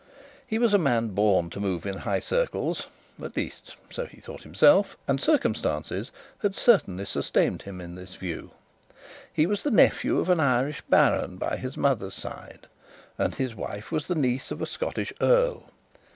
He was a man born to move in high circles; at least so he thought himself and circumstances had certainly sustained him in this view. He was the nephew of a Irish baron by his mother's side, and his wife was the niece of a Scottish earl.